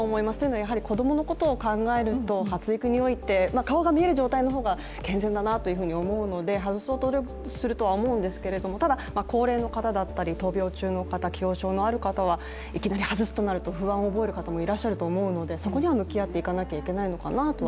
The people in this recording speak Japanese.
やはり子供のことを考えると発育において、顔が見える状態の方が健全だなというふうに思うので、外そうと努力すると思うんですけどただ、高齢の方だったり闘病中の方既往症のある方はいきなり外すとなると不安を覚える方もいらっしゃると思うので、そこには向き合っていかないといけないのかなと。